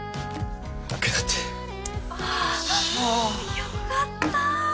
よかった。